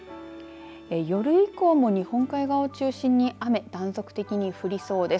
夜以降も日本海側を中心に雨断続的に降りそうです。